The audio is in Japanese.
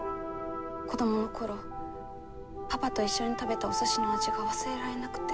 子供の頃パパと一緒に食べたおすしの味が忘れられなくて。